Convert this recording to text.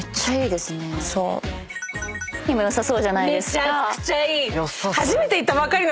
めちゃくちゃいい！